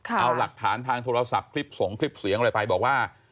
เอาหลักฐานทางโทรศัพท์คลิปส่งคลิปเสียงอะไรไปบอกว่า